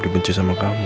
dibenci sama kamu